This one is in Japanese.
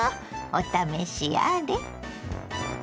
お試しあれ。